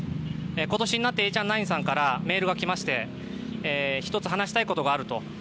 今年になってエーチャンナインさんからメールが来まして１つ、話したいことがあると。